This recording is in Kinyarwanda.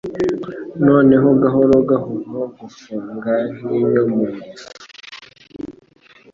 Noneho gahoro gahoro gufunga nkinyo mu ifu.